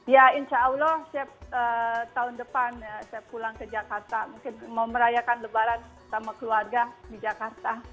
ya insya allah setiap tahun depan saya pulang ke jakarta mungkin mau merayakan lebaran sama keluarga di jakarta